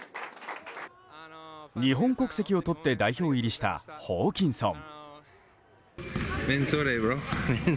日本国籍を取って代表入りしたホーキンソン。